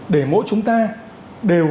để mỗi chúng ta đều